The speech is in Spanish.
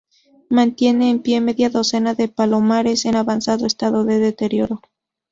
Mantiene en pie media docena de palomares en avanzado estado de deterioro.